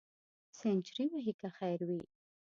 سینچري وهې که خیر وي.